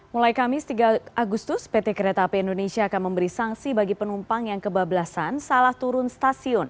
mulai kamis tiga agustus pt kereta api indonesia akan memberi sanksi bagi penumpang yang kebablasan salah turun stasiun